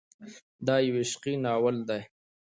دا يو عشقي ناول دی.